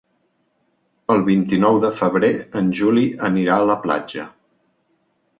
El vint-i-nou de febrer en Juli anirà a la platja.